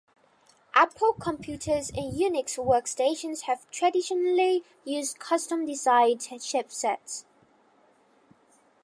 Apple computers and Unix workstations have traditionally used custom-designed chipsets.